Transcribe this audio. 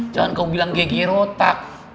jangan kau bilang geger otak